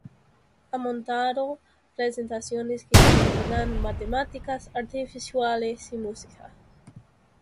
Ha montado presentaciones que combinan matemáticas, artes visuales y música.